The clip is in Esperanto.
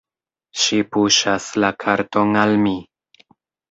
Ŝi puŝas la karton al mi.